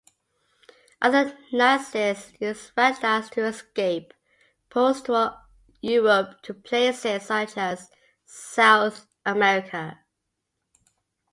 Other Nazis used ratlines to escape post-war Europe to places such as South America.